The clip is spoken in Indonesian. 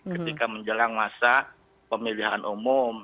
ketika menjelang masa pemilihan umum